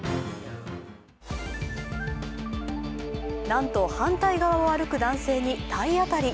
なんと反対側を歩く男性に体当たり。